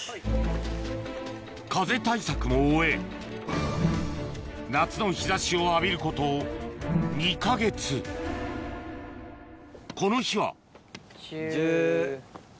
風対策も終え夏の日差しを浴びること２か月この日は１０。